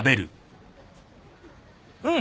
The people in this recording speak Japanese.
うん！